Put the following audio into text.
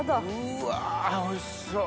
うわおいしそう！